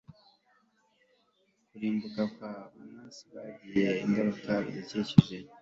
kurimbuka kwa ozone bigira ingaruka kubidukikije